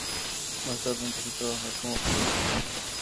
Más tarde empezó a trabajar como periodista.